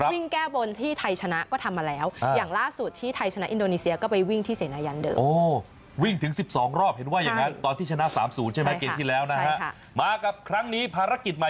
วิ่งแก้วบนที่ไทยชนะ